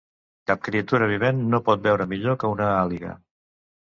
Cap criatura vivent no pot veure millor que una àliga.